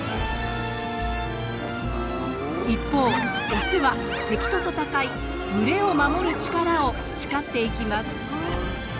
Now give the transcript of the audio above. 一方オスは敵と戦い群れを守る力を培っていきます。